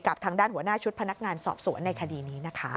ทางด้านหัวหน้าชุดพนักงานสอบสวนในคดีนี้นะคะ